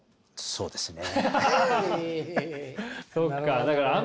そうですね。